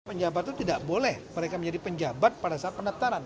penjabat itu tidak boleh mereka menjadi penjabat pada saat pendaftaran